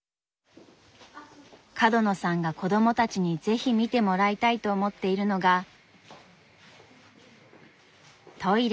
角野さんが子供たちに是非見てもらいたいと思っているのがトイレ。